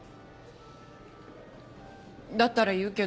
だったら言うけど。